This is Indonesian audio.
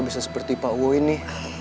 bisa seperti pak wo ini